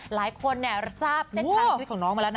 หลายคนทราบเส้นทางชีวิตของน้องมาแล้วนะ